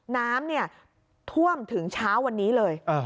น้ำท่วมถึงเช้าวันนี้เลย